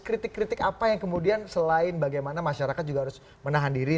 kritik kritik apa yang kemudian selain bagaimana masyarakat juga harus menahan diri